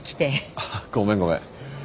ああごめんごめん。